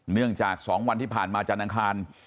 เนื่องจาก๒วันที่ผ่านมาจานอังคาร